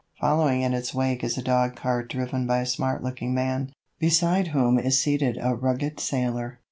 Following in its wake is a dog cart driven by a smart looking man, beside whom is seated a rugged sailor.